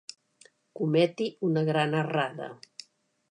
Cometi una gran errada.